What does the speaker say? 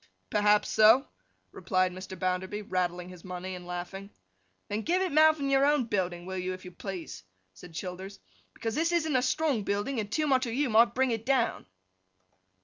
'Perhaps so,' replied Mr. Bounderby, rattling his money and laughing. 'Then give it mouth in your own building, will you, if you please?' said Childers. 'Because this isn't a strong building, and too much of you might bring it down!